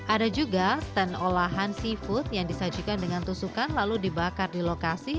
ada juga stand olahan seafood yang disajikan dengan tusukan lalu dibakar di lokasi